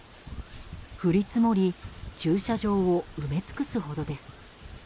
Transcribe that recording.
降り積もり駐車場を埋め尽くすほどです。